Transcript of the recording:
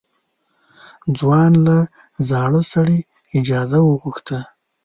ځوان له زاړه سړي اجازه وغوښته.